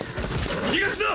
逃がすな！